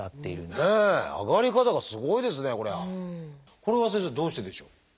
これは先生どうしてでしょう？